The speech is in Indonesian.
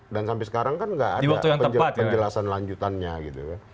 dan sampai sekarang kan nggak ada penjelasan lanjutannya gitu